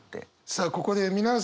さあここで皆さん